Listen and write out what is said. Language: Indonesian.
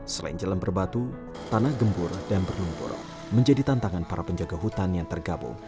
selain jalan berbatu tanah gembur dan berlumpur menjadi tantangan para penjaga hutan yang tergabung